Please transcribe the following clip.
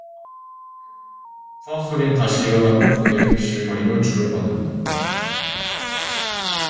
풍악 소리는 다시 일어나고 광대는 비실거리며 줄을 걷는다.